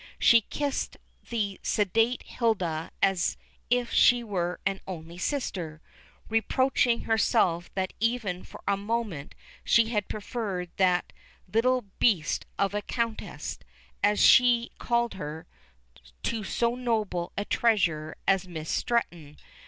She kissed the sedate Hilda as if she were an only sister, reproaching herself that even for a moment she had preferred that little beast of a Countess, as she called her, to so noble a treasure as Miss Stretton.